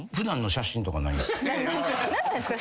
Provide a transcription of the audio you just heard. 何なんですか？